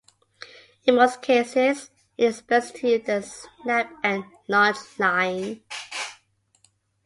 In most cases, it is best to use a snap-end longe line.